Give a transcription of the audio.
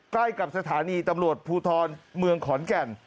ใกล้กับสถานีตำรวจภูทรเมืองขอนแก่น